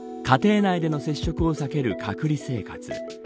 家庭内での接触を避ける隔離生活。